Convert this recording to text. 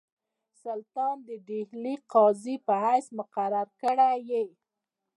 سلطان د ډهلي د قاضي په حیث مقرر کړی یې.